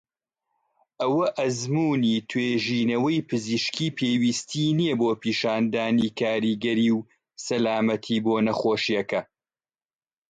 ئەوە ئەزموونی توێژینەوەی پزیشکی پێویستی نیە بۆ پیشاندانی کاریگەری و سەلامەتی بۆ نەخۆشیەکە.